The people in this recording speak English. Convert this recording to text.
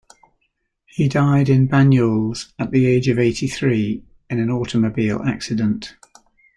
He died in Banyuls at the age of eighty-three, in an automobile accident.